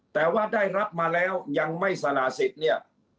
แต่ว่าได้รับมาแล้วยังไม่สละสิทธิ์เนี่ย